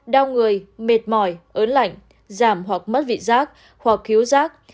đau người mệt mỏi ớn lạnh giảm hoặc mất vị giác hoặc khiếu giác